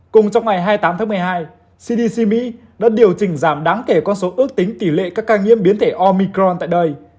cùng trong ngày hai mươi tám tháng một mươi hai cdc mỹ đã điều chỉnh giảm đáng kể con số ước tính tỷ lệ các ca nhiễm biến thể ormicron tại đây